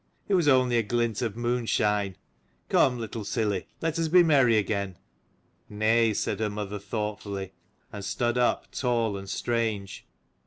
"It was only a glint of moonshine: come, little silly, let us be merry again." "Nay," said her mother thoughtfully, and stood up, tall and strange.